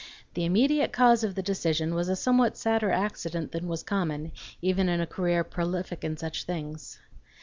The immediate cause of the decision was a somewhat sadder accident than was common, even in a career prolific in such things.